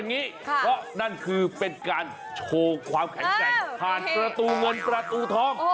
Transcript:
เพราะนั่นคือเป็นการโชว์ความแข็งแกร่งผ่านประตูเงินประตูทอง